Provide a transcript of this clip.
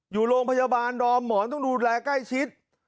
อยู่โรงพยาบาลดอมหมอนต้องดูแลใกล้ชิด